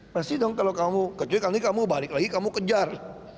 pasti dong kalau kamu kecuali kamu balik lagi kamu kejar